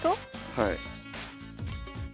はい。